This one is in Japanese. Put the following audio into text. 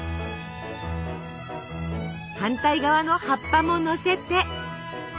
反対側の葉っぱものせて。